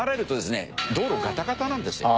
道路ガタガタなんですよ。